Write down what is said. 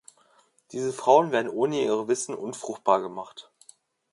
Diese Frauen werden ohne ihr Wissen unfruchtbar gemacht.